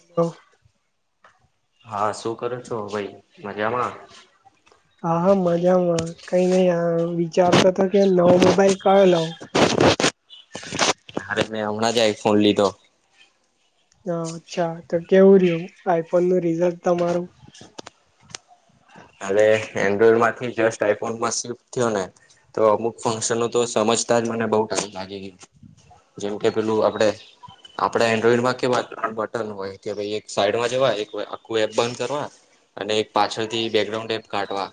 Hello હા શું કરું છું ભાઈ મજામાં હા હા મજામાં કઈ નહી વિચારતો હતો કે નવો મોબાઈલ કળ લાવ અરે મેં હમણાં જાય આઇફોન લીધો હ અચ્છા તો કેવું રહ્યું આઈફોન નું રિઝલ્ટ તમારું અરે એન્ડ્રોઈડ માંથી જસ્ટ આઈફોન માં સ્િપ થયો ને તો અમુક ફંક્શનો તો સમજતા જ મને બઉુ ટાઈમ લાગી ગયો જેમ કે પેલું આપડે આપડે એન્ડ્રોઈડમાં કેવાય બટન હોય કે ભાઈ એક સાઈડમાં જવાય આખું એપ બંધ કરવા અને એક પાછળથી બેકગ્રાઉન્ડ એ કાટવા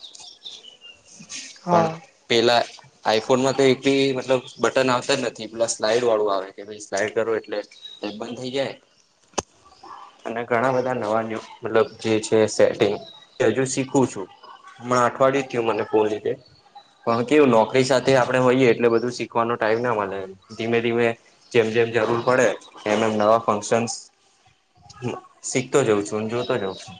હા પણ પેલા આઈફોનમાં તો એકી મતલબ બટન આવતા જ નથી પ્લ સ્લાઈડ વાળું આવે કે સ્લાઈ કરો એટલે બંધ થઈ જાય અને ઘણા બધા નવાલબ જે છે સેટંગ હજ ું છું હ અઠવાડયે થયું મને ફોન રીધે પણ કેવું નોકરી સાથે આપડે હોઈએ એટલે બધું શીખવાનો ટાઈમ ના મળે ધીમે ધીમે જેમ જેમ જરૂર પડે એમ એમ નવા ફંક્શન શીખતો જાઉં છું જોતો જાઉં છું.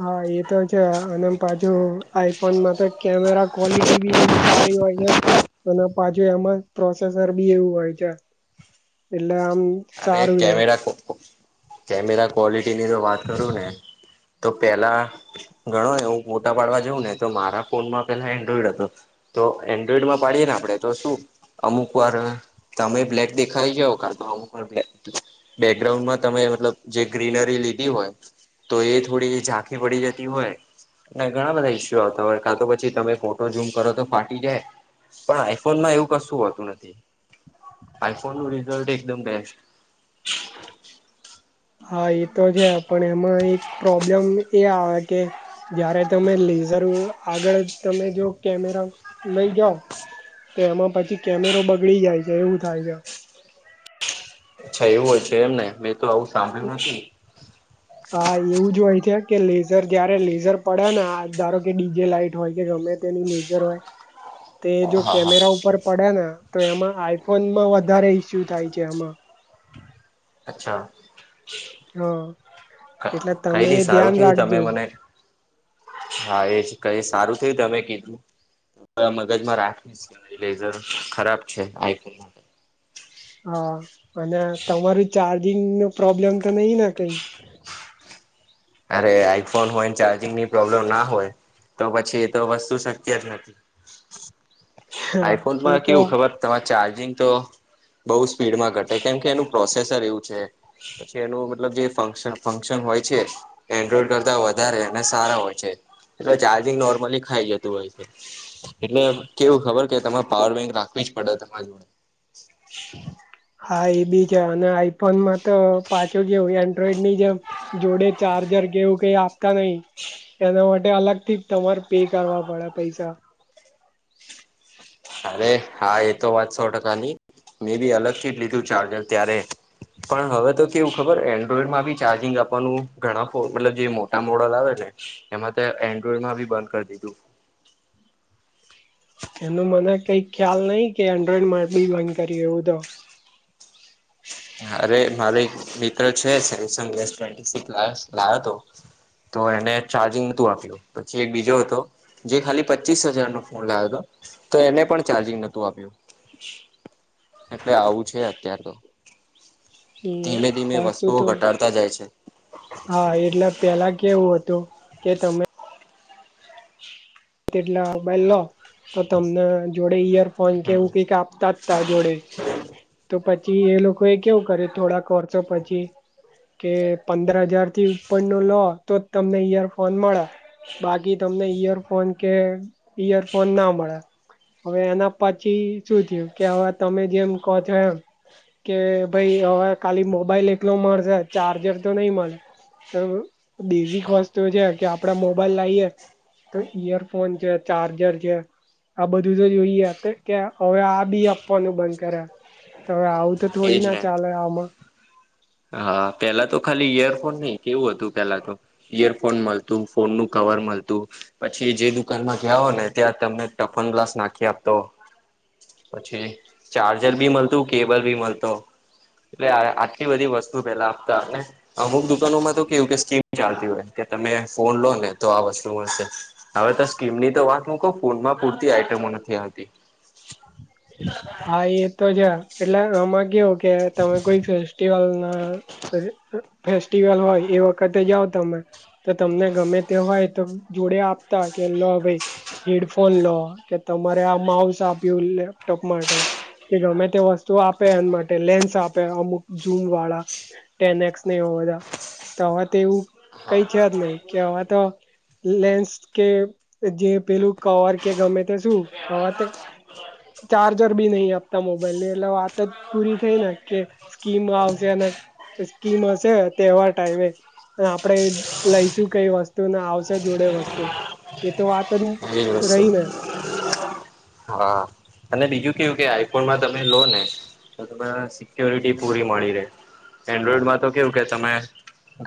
હા, એ તો છે અને પાછુ આઈફોનમાં તો કેમેરા ક્વોલિટી બી એવી. સારી હોય છે અને પાછુ એમાં પ્રોસેસર બી એવું હોય છે. એટલે આમ. અરે, સારું છે કેમેરા કેમેરા ક્વોલિટીની તો વાત કરુંને. તો પહેલાં. ઘણો હું મોટા પાડવા જઉં ને તો મારા ફોન માં પેલા એન્ડ્રોઈડ હતો. તો એન્ડ્રોઈડમાં પાડીયએ ને આપણે તો શું. અમુક વાર તમે બ્લેક દેખાઈ જાઓ કાતો અમુક. બેકગ્રાઉન્ડમાં તમે મતલબ જે ગ્રીનરી લીધી હોય. તો એ થોડી ઝાંખી પડી જતી હોય. નઈ ઘણા બધા ઇસ્યુ આવતા હોય કાતો પછી તમે ફોટો ઝૂમ કરો તો ફાટી જાય. પણ આઈફોનમાં એવું કશું હોતું નથી આઈફોનનું રિઝલ્ટ એકદમ બે [inaudible] હા, એતો છે પણ એમાં એક પ્રોબ્લેમ એ આવે કે જયારે તમે લેઝર આગળ તમે જો કેમેરા લઈ જાઓ તો એમાં પછી કેમેરો બગડી જાય છે એવું થાય છે. અચ્છા, એવું હોય છે એમને મેં તો આવું સાંભળ્યું નથી. હા, એવું જ હોય છે કે લેઝર જયારે લેઝર પડે ને ધારો કે ડીજે લાઈટ હોય કે ગમે તેની લેઝર હોય. [unintelligible] તે જો કેમેરા ઉપર પડ્યા ને તો એમાં આઈફોનમાં વધારે ઈસ્યુ થાય છે એમાં. અચ્છા. હા, એટલે કઈ તમે નઈ એ સારું ધ્યાન થયું તમે રાખજો. મને હા, એજ કઈ સારું થયું તમે કીધું. મગજમાં રાખીશ લેઝર ખરાબ છે આઈફોનમાં. હા, અને તમારું ચાર્જિંગનો પ્રોબ્લેમ તો નહીને કઈ. અરે, આઈફોન હોયને ચાર્જિંગની પ્રોબ્લેમ ના હોય તો પછી એતો વસ્તુ શક્ય જ નથી. હા એ આઈફોનમાં તો કેવું ખબર. તમારે ચાર્જિંગ તો બહુ સ્પીડમાં ઘટે કેમકે એનું પ્રોસેસર એવું છે. પછી એનો મતલબ જે ફંકશન ફંક્શન હોય છે. એન્ડ્રોઈડ કરતા વધારે અને સારા હોય છે એટલે ચાર્જિંગ નોર્મલી ખાઈ જતું હોય છે. એટલે કેવું ખબર કે તમારે પાવર બેંક રાખવી જ પડે તમારા જોડે. હા, એ બી છે અને આઈફોનમાં તો પાછો કેવું એન્ડ્રોઈડ ની જેમ. જોડે ચાર્જર કેવું કે આપ નઈ એના માટે અલગથી તમારે પે કરવા પડે પૈસા. અરે હા, એ તો વાત સો ટકાની મેબી અલગથી જ લીધું ચાર્જર ત્યારે. પણ હવે તો કેવું ખબર એન્ડ્રોઈડમાં બી ચાર્જિંગ આપવાનું ઘણા ફો મતલબ જે મોટા મોડલ આવે ને. એમાં તો એન્ડ્રોઈડમાં બી બંધ કરી દીધું. એનું મને કઈ ખ્યાલ નઈ કે એન્ડ્રોઈડમાં બી બંધ કરી એવું તો. અરે, મારે એક મિત્ર છે સેમસંગસ સિક્સ લો હતો. તો એને ચાર્જિંગ નોતું આપ્યું પછી એક બીજો હતો. જે ખાલી પચ્ચીસ હજારનો ફોન લાવ્યો હતો તો એને પણ ચાર્જિંગ નતું આપ્યું. એટલે આવું છે અત્યાર તો. હમ, ધીમે ધીમે વસ્તુ વસ્તુઓ તો. ઘટાડતા જાય છે હા, એટલે પેલા કેવું હતું કે તમે. એટલા મોબાઈલ લો તો તમને જોડે ઈયર ફોન હમ કેવું કઈક આપતા તા જોડે. તો પછી એ લોકોએ કેવું કરે થોડાક વર્ષો પછી કે પંદર હજારથી ઉપરનો લો તોજ તમને ઈયરફોન મળે. બાકી તમને ઈયરફોન કે ઈયરફોન ના મળે. હવે એના પછી શું થયું કે હવે તમે જેમ કહો છો એમ. કે ભાઈ હવે ખાલી મોબાઈલ એકલો મળશે ચાર્જર તો નઈ મળે. તો બેઝિક વસ્તુ છે કે આપડા મોબાઈલ લાઈએ તો ઈયરફોન છે ચાર્જર છે. આ બધું તો જોઈએ કે હવે આ બી આપવાનું બંધ કર્યા તો હવે આવું. તો એજ થોડી ના ને ચાલે આમાં. હા પેલા તો ખાલી ઈયરફોન નઈ કેવું હતું પેલા તો ઈયરફોન મળતું ફોન નું કવર મળતું. પછી જે દુકાનમાં ગયા હો ને ત્યાં તમને ટફન ગ્લાસ નાખી આપતો. પછી ચાર્જર ભી મળતું કેબલ બી મળતો. એટલે આટલી બધી વસ્તુ પેલા આપતા આપને અમુક દુકાનોમાં તો કેવું કે સ્કીમ ચાલતી હોય કે તમે ફોન લોને તો આ વસ્તુ મળશે. હવે તો સ્કીમની તો વાત હું કહ ફોનમાં પૂરતી આઈટમો નથી આવતી. હા એ તો જ એટલે આમાં કેવું કે તમે કોઈ ફેસ્ટિવલ ના ફેસ્ટિવલ હોય એ વખતે જાઓ તમે તો તમને ગમે તે હોય તો. જોડે આપતા કે લો ભાઈ હેડફોન લો કે તમારે આ માઉસ આપ્યું. લપટોપ માટે કે ગમે તે વસ્તુ આપે એમ માટે લેન્સ આપે અમુક ઝૂમ વાળા ટેનએક્સ ને એ બધા તો હવે તેવું હા કઈ છે જ નહી કે આ તો લેન્સ કે જે પેલું કવર કે ગમે તે શું હવા ચાર્જર બી નહી આપતા મોબાઈલ ની એટલે વાત જ પૂરી થઈ ને કે સ્કીમ આવશે અને સ્કીમ હશે તહેવાર ટાઈમે. આપણેે લઈશું કઈ વસ્તુ ને આવશે જોડે વસ્તુ એ તો વાત ત એ જ વસ્તુ રહીને હા અને બીજું કેવું કે આઈફોનમાં તમે લો ને તો ત સિક્યોરિટી પૂરી મળી રહે એન્ડ્રોઈડમાં તો કેવું કે તમે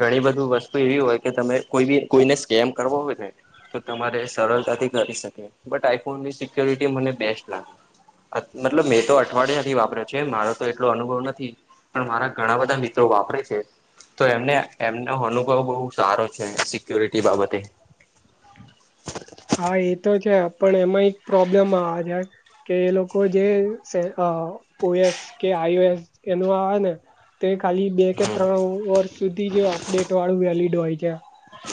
ઘણી બધી વસ્તુ એવી હોય કે તરે કોઈ બી કોઈને સ્કેમ કરવો હોય તો તમારે સરતાથી કરી શકે બટ આઈફોન ની સિક્યોરિટી મને બેસ્ટ લાગે. મતલબ મેં તો અઠવાડિયાથી વાપર્યો છે મારો તો એટલો અનુભવ નથી. પણ મારા ઘણા બધા મિત્રો વાપરે છે. તો એમને એમનો અનુભવ બહુ સારો છે સિક્યોરિટી બાબતે. હા એ તો છે પણ એમાં એક પ્રોબ્લેમ આવે જ કે એ લોકો જે ઓસ કે આઈઓ એસ એનું આવે ને. તે ખાલી બે કે ત્રણ વર્ષ સુધી જે અપડેટ વાળું વેલીડ હોય છે.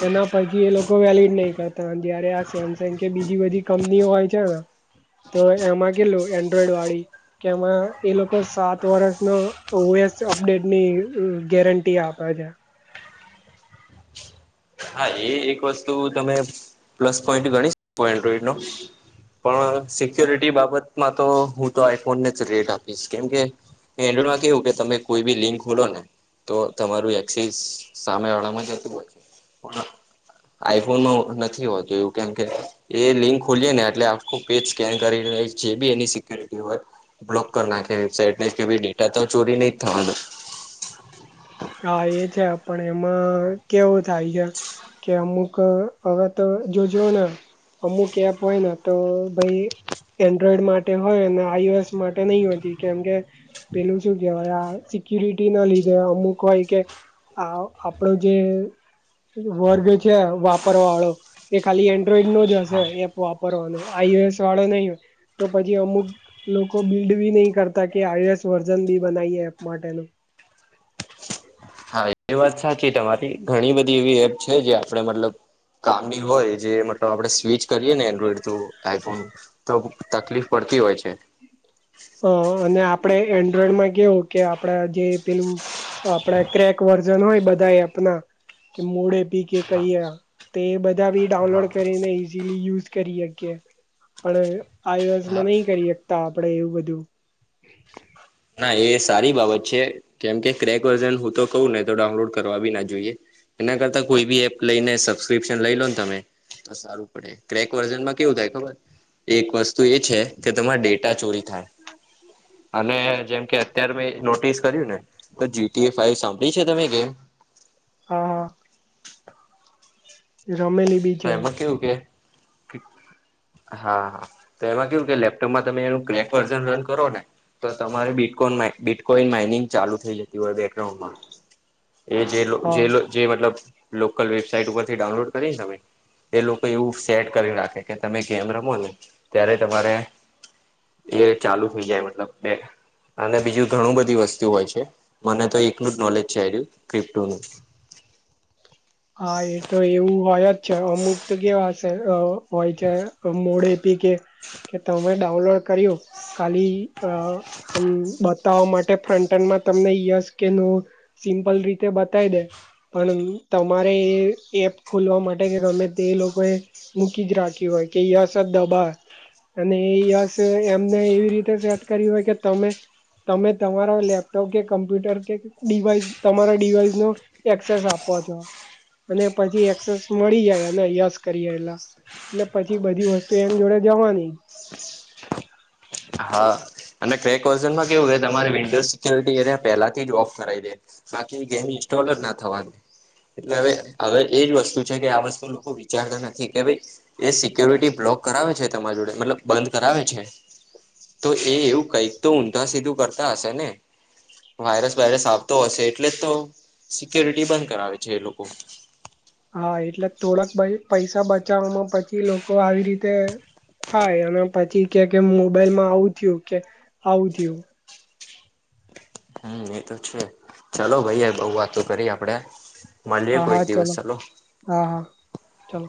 એના પથી એ લોકો વેલીડ નહી કરતા જય્યારે આ સેમસંગ કે બીજી બધી કંપનીઓ હોય છેને તો એમાં કેલું એન્ડ્રોઈડ વાળી કે એમાં એ લોકો સાત વર્ષ ન ઓએસ અપડેટ ની ગેરંટી આપે છે. હા એ એક વસ્તુ તમે પ્લસ પોઈન્ટ ગણી શકો એન્ડ્રોઈડ નો પણ સિક્યોરિટી બાબતમાં તો હું તો આઈફોનને જ રેટ આપીશ કેમકે એન્ડ્રોડમાં કેવું કે તમે કોઈ બી લિંક ખોલો ને તો તમારું એક્સી સામે વાળામાં જતું હોય છે. આઈફોનમાં નથી હોતતો એવું કેમ કે એ લિંક ખોલીય ને એટલે આખું પેજ સ્કેન કરી જે બી એની સિકુરિટી હોય બ્લોક કર ના કે વેબસાઇટ કેી ડેટા તો ચોરી નહી થવાનું. હા એ છે પણ એમાં કેવું થાય છે. કે અમુક હવે તો જોજઓ ને અમુક એપ હોયને તો ભાઈ એન્ડ્રોઈડ માટે હોય ને આઈુએસ માટે નહી હોતી કેમ કે પેલું શું કેવાય, આ સિક્યુરિટી ના લીધે અમુક કહેવાય કે આ આપડો જે વર્ગ છે, વાપરવા વાળો એ ખાલી એન્ડ્રોઈડ નો જ હશે, એપ વાપરવાનો આઈએસ વાળો નહીં હોય. તો પછી અમુક લોકો બિલ્ડ બી નહી કરતા કે આઈએસ વર્ઝન બી બનાવીએ એપ માટેનું. હા એ વાત સાચી તમારી. ઘણી બધી એવી એપ છે જે આપે મતલબ કામી હોય જે તો આપડે સ્વિચ કરીએ ને, એન્ડ્રોઈડ થ્રુ આઈફોન, તો તકલીફ પડતી હોય છે. હ, અને આપડણે એન્ડ્રોઈડમાં કેવો કે આપડા જે પેલું, આપડા ક્રેક વર્ઝન હોય બધા એના કે મોડે પી કે કહીએ તો, એ બધા બી હા ડાઉનલોડ કરીને. જે યુઝ કરી શકીએ, પણ હા આશામાં નહીં કરી શકતા આપડે, એવું બધું. જો ના, એ સારી બાબત છે, કેમ કે ક્રેક વર્ઝન હું, તો કહું ને તો ડાઉનલોડ કરવા બી ના જોઈએ. એના કરતા, કોઈ બી એપ લઈને સબસ્ક્રિપ્શન લઈ લો ને તમે. તો સારું પડે, ક્રેક વર્ઝનમાં કેવું થાય ખબર? એક વસ્તુ એ છે કે, તમારેે ડેટા ત્યાં ચોરી થાય અને જેમ કે, અત્યારે મેં નોટિસ કર્યું ને, તો જીટીએ ફાઈવ સાંભળી છે તમે ગેમ? હા હા. રમેલી. બી હા, છે એમાં કેવું કે હા હા, તો એમાં કેવું કે લેપટોપમાં તમે એનું ક્રેક વર્ઝન રન કરો ને. તો તમારે બીટકોન બિટકોઈન માઇનિંગ ચાલુ થઈ જતી હોય બેકગ્રાઉન્ડમાં. એ હા જે મતલબ લોકલ વેબસાાઈટ ઉપરથી ડાઉનલોડ કરીને તમે એ લોકો એવું સેટ કરી નાખે કે તમે ગેમ રમો ને ત્યારે તમારે. એ ચાલુ થઈ જાય, મતલબ બે અને બીજું, ઘણું બધી વસ્તુ હોય છે. મને તો એકનું જ નોલેજ છે, ક્રિપ્ટો નું. હા, એ તો એવું હોય જ છે. અમુક તો કેવા હશે, હોય છે મોડે પી કે કે તમે ડાઉનલોડ કર્યું? ખાલી આમ બતાવા માટે ફ્રન્ટનમાં તમને યસ કે નો સિમ્પલ રીતે બતાવી દે, પણ. તમારે એ એપ ખોલવા માટે કે ગમે તે લોકો એ. મૂકી જ રાખી હોય કે યસ જ દબાવે. અને યસ એમને એવી રીતે સેટ કર્યું હોય કે તમે. તમે તમારા લેપટોપ કે કમ્પ્યુટર કે ડિવાઈસ, તમારા ડિવાઈસ નો એક્સેસ આપો છો અને પછી એક્સેસ મળી જાય, એને યસ કરીએ એલા. એટલે પછી બધી વસ્તુ એની જોડે જવાની. હા. અને ક્રેક વર્ઝનમાં કેવું, તમારે વિન્ડોઝ સિક્યોુરિટી એ પેલાથી જ ઓફ કરાઈ દે. બાકી ગેમ ઇન્સ્ટોલ જ ના થવાની. એટલે હવે, હવે એજ વસ્તુ છે કે આ વસ્તુ લોકો વિચારતા નથી કે ભાઈ. એ સિક્યોરિટી બ્લોક કરાવે છે તમારા જોડે, મતલબ બંધ કરાવે છે. તો એ એવું કંઈક તો ઊંધા સીધું કરતા હશે ને. વાયરસ વાયરસ આવતો હશે, એટલે જ તો સિક્યોરિટી બંધ કરાવે છે એ લોકો. હા, એટલે થોડાકાઈ પૈસા બચાવમાં પછી લોકો આવી રીતે થાય અને પછી કે, કે મોબાઈલમાં આવું થયું કે આવું થયું. હમ, એ તો છે. ચાલો ભાઈ, બઉ વાત કરી આપડે. મળીએે હા હા કોઈક દિવસ, ચલો હ. હા હા ચલો